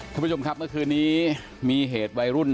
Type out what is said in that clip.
ท่านผู้ชมครับเมื่อคืนนี้มีเหตุวัยรุ่น